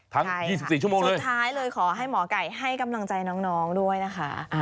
ทั้ง๒๔ชั่วโมงเลยสุดท้ายเลยขอให้หมอไก่ให้กำลังใจน้องด้วยนะคะ